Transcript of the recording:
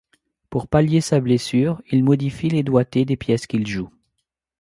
Pour pallier sa blessure, il modifie les doigtés des pièces qu'il joue.